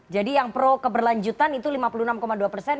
jadi yang pro keberlanjutan itu lima puluh enam dua persen